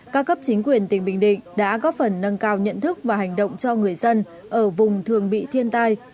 các cấp chính quyền tỉnh bình định đã góp phần nâng cao nhận thức và hành động cho người dân ở vùng thường bị thiên tai